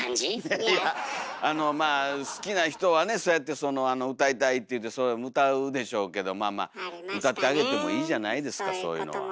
いやあのまあ好きな人はねそうやって歌いたいって言うて歌うでしょうけどまあまあ歌ってあげてもいいじゃないですかそういうのは。